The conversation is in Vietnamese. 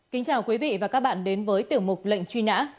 kính chào quý vị và các bạn đến với tiểu mục lệnh truy nã